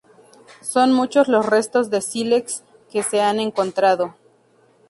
Son muchos los restos de sílex que se han encontrado.